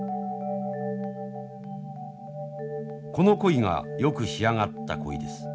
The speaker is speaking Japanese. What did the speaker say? この鯉がよく仕上がった鯉です。